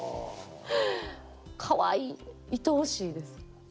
かわいいいとおしいです。